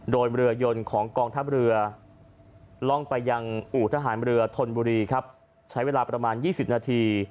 โดยเรือยนของกองทัพเรือล่องไปยังอู่ทหารเรือธนบุรีครับใช้เวลาประมาณ๒๐นาที